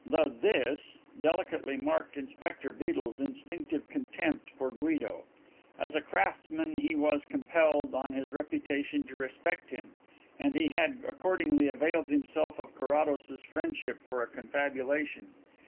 The 'this' delicately marked Inspector Beedel's instinctive contempt for Guido. As a craftsman he was compelled, on his reputation, to respect him, and he had accordingly availed himself of Carrados's friendship for a confabulation.